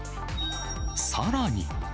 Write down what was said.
さらに。